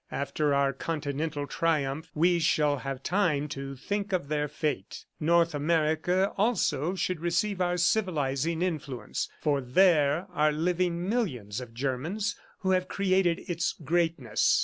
After our continental triumph, we shall have time to think of their fate. ... North America also should receive our civilizing influence, for there are living millions of Germans who have created its greatness."